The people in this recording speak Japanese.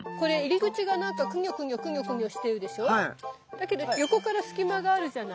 だけど横から隙間があるじゃない。